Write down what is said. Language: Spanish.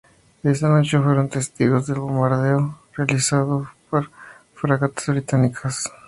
Esa noche fueron testigos del bombardeo realizado por fragatas británicas sobre Puerto Mitre.